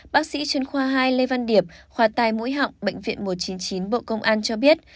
bác sĩ chuyên khoa hai lê văn điệp khoa tài mũi họng bệnh viện một trăm chín mươi chín bộ công an cho biết